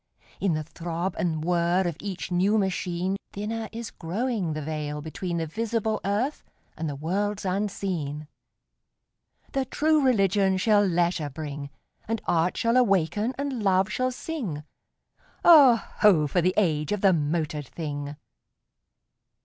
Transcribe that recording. In the throb and whir of each new machine Thinner is growing the veil between The visible earth and the worlds unseen. The True Religion shall leisure bring; And Art shall awaken and Love shall sing: Oh, ho! for the age of the motored thing!